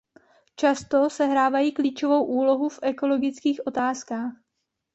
Často sehrávají klíčovou úlohu v ekologických otázkách.